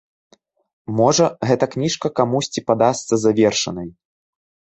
Можа, гэта кніжка камусьці падасца завершанай.